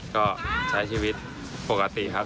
ก็ใช้ชีวิตปกติครับ